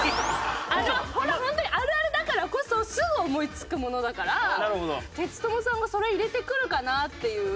これは本当にあるあるだからこそすぐ思い付くものだからテツトモさんがそれ入れてくるかな？っていう。